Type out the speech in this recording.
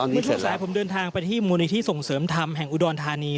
เมื่อช่วงสายผมเดินทางไปที่มูลนิธิส่งเสริมธรรมแห่งอุดรธานี